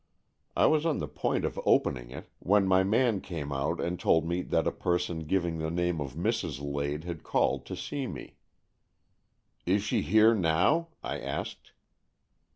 I was on the point of opening it, when my man came out and told me that a person giving the name of Mrs. Lade had called to see me. " Is she here now.^ " I asked.